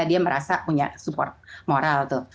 dia merasa punya support moral tuh